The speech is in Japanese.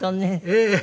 ええ。